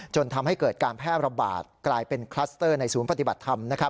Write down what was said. จนทำให้เกิดการแพร่ระบาดกลายเป็นคลัสเตอร์ในศูนย์ปฏิบัติธรรม